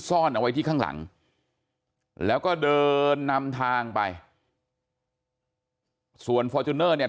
ซ่อนเอาไว้ที่ข้างหลังแล้วก็เดินนำทางไปส่วนฟอร์จูเนอร์เนี่ย